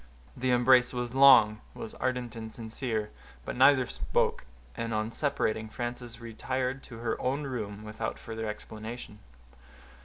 The embrace was long—was ardent and sincere—but neither spoke; and on separating, Frances retired to her own room without further explanation.